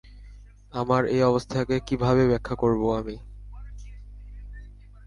আমার এই অবস্থাকে কীভাবে ব্যাখ্যা করব আমি?